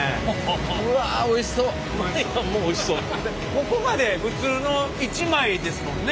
ここまで普通の１枚ですもんね。